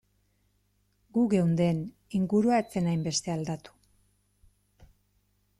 Gu geunden, ingurua ez zen hainbeste aldatu.